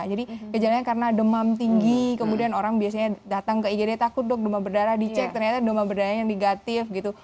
gejalanya karena demam tinggi kemudian orang biasanya datang ke igd takut dok demam berdarah dicek ternyata demam berdarah yang negatif gitu